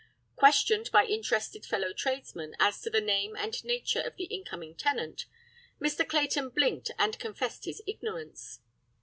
Questioned by interested fellow tradesmen as to the name and nature of the incoming tenant, Mr. Clayton blinked and confessed his ignorance.